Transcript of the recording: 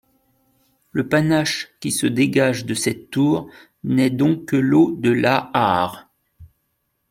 Le panache qui se dégage de cette tour n'est donc que l'eau de l'Aar.